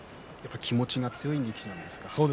気持ちが強い力士なんですか？